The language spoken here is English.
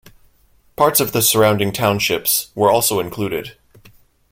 Parts of the surrounding townships were also included.